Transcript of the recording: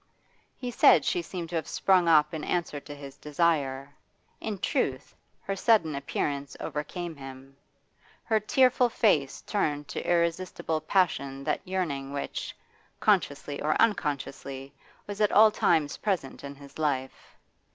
He said she seemed to have sprung up in answer to his desire. In truth, her sudden appearance overcame him; her tearful face turned to irresistible passion that yearning which, consciously or unconsciously, was at all times present in his life.